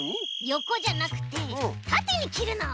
よこじゃなくてたてにきるの！